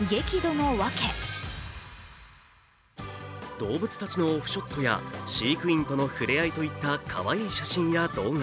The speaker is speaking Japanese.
動物たちのオフショットや飼育員との触れ合いといったかわいい写真や動画。